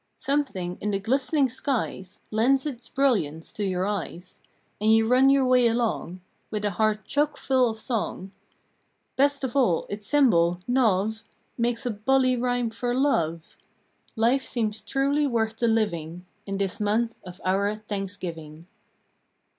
Something in the glistening skies Lends its brilliance to your eyes, And you run your way along With a heart chock full of song Best of all, its symbol, "Nov." Makes a bully rhyme for Love. Life seems truly worth the living In this month of our Thanksgiving.